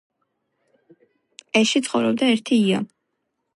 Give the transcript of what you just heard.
თყეში ცხოვრობდა ერთი ია